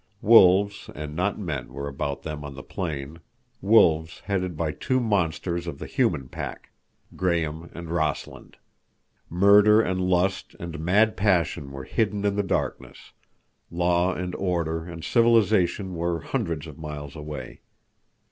Wolves and not men were about them on the plain; wolves headed by two monsters of the human pack, Graham and Rossland. Murder and lust and mad passion were hidden in the darkness; law and order and civilization were hundreds of miles away.